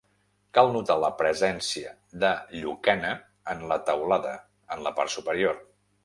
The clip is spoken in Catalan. Cal notar la presència de llucana en la teulada en la part superior.